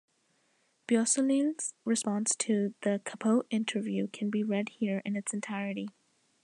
Beausoleil's response to the Capote interview can be read here in its entirety.